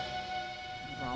pasti ini mbak ini salah orang